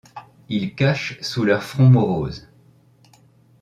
Ils cachent sous leurs fronts moroses